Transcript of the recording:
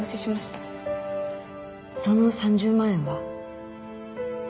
その３０万円は？